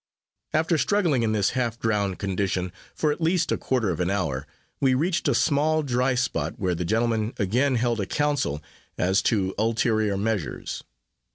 After struggling in this half drowned condition, for at least a quarter of an hour, we reached a small dry spot, where the gentlemen again held a council, as to ulterior measures.